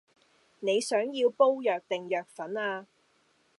你想要煲藥定藥粉呀